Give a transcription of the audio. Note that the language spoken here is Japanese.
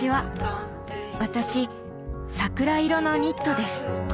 私桜色のニットです。